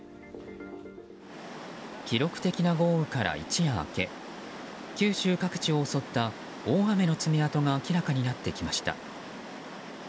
記録的な豪雨から一夜明け九州各地を襲った大雨の爪痕が明らかになってきました。